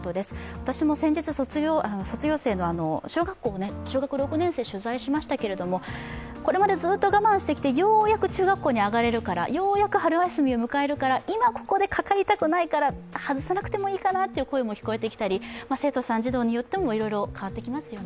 私も先日、卒業生、小学校小学６年生を取材しましたけれども、これまでずっと我慢してきてようやく中学校に上がれるからようやく春休みを迎えるから今ここでかかりたくないから、外さなくてもいいかなという声も聞こえてきたり、生徒さん、児童によっても変わってきますね。